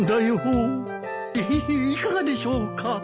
いいかがでしょうか？